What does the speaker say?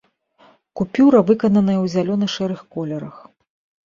Купюра выкананая ў зялёна-шэрых колерах.